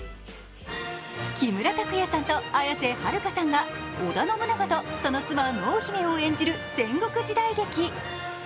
木村拓哉さんと綾瀬はるかさんが織田信長とその妻・濃姫を演じる戦国時代劇。